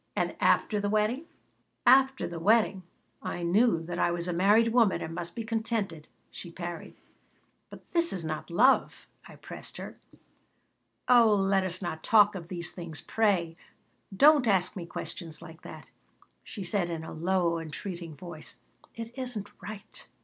"And after the wedding?" "After the wedding I knew that I was a married woman and must be contented," she parried "But this is not love," I pressed her "Oh, let us not talk of these things, pray! Don't ask me questions like that," she said in a low, entreating voice. "It isn't right."